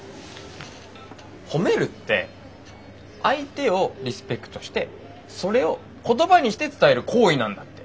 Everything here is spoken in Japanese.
褒めるって相手をリスペクトしてそれを言葉にして伝える行為なんだって。